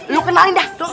lu kenalin dah